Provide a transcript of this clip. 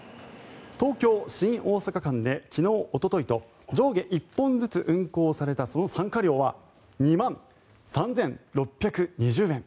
東京新大阪間で昨日おとといと上下１本ずつ運行されたその参加料は２万３６２０円。